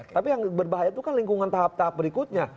tapi yang berbahaya itu kan lingkungan tahap tahap berikutnya